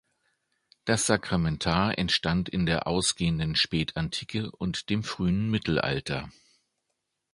Das Sakramentar entstand in der ausgehenden Spätantike und dem frühen Mittelalter.